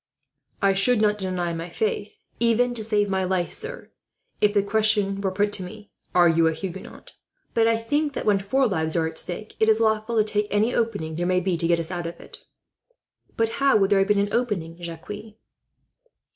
"I should not deny my faith, even to save my life, sir, if the question were put to me: 'Are you a Huguenot?' But I think that when four lives are at stake, it is lawful to take any opening there may be to get out of it." "But how would there have been an opening, Jacques?"